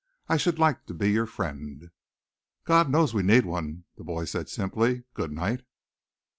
I should like to be your friend." "God knows we need one!" the boy said simply. "Good night!"